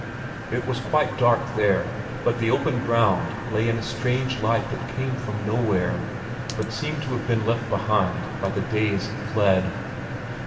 It was quite dark there, but the open ground lay in a strange light that came from nowhere, but seemed to have been left behind by the day as it fled.